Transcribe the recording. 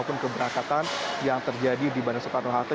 ataupun keberangkatan yang terjadi di bandara soekarno hatta